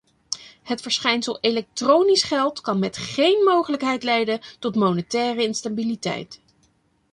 Het verschijnsel elektronisch geld kan met geen mogelijkheid leiden tot monetaire instabiliteit.